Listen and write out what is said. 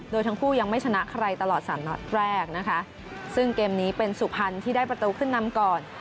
โดยทั้งคู่ยังไม่ชนะใครตลอดสามนัดแรกนะคะซึ่งเกมนี้เป็นสุพรรณที่ได้ประตูขึ้นนำก่อน